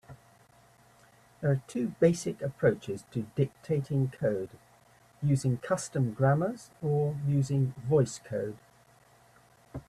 There are two basic approaches to dictating code: using custom grammars or using VoiceCode.